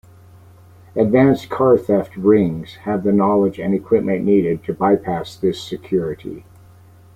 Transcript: Advanced car theft "rings" have the knowledge and equipment needed to bypass this security.